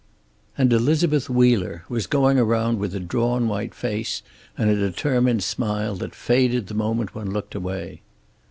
And Elizabeth Wheeler was going around with a drawn white face and a determined smile that faded the moment one looked away.